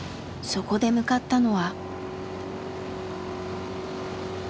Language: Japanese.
そこで向かったのは。